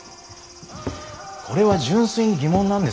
これは純粋に疑問なんですがね